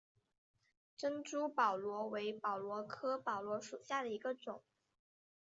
珍珠宝螺为宝螺科宝螺属下的一个种。